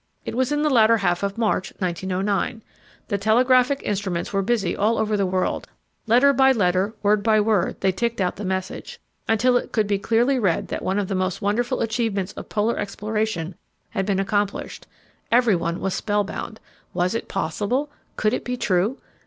It was in the latter half of March, 1909. The telegraphic instruments were busy all over the world; letter by letter, word by word, they ticked out the message, until it could be clearly read that one of the most wonderful achievements of Polar exploration had been accomplished. Everyone was spellbound. Was it possible? Could it be true?